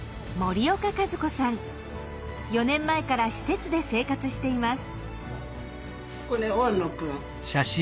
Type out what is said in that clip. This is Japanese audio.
４年前から施設で生活しています。